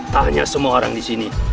tak hanya semua orang disini